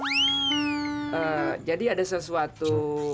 ee jadi ada sesuatu